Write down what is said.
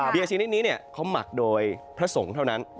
เบียร์ชีวิตนี้เค้าหมักโดยพระสงฆ์เท่านั้น